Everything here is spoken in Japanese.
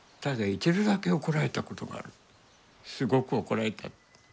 すごく怒られた。